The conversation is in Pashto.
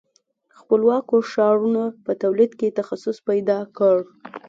خپلواکو ښارونو په تولید کې تخصص پیدا کړ.